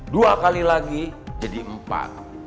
dua kali lagi jadi empat